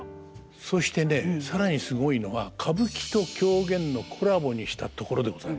そしてね更にすごいのは歌舞伎と狂言のコラボにしたところでございます。